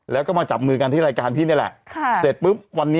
แล้วก็มาจับมือกันที่รายการพี่นี่แหละค่ะเสร็จปุ๊บวันนี้